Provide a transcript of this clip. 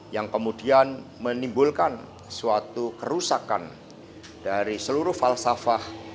yang kemudian menimbulkan suatu kerusakan dari seluruh falsafah